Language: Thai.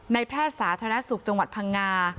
แพทย์สาธารณสุขจังหวัดพังงา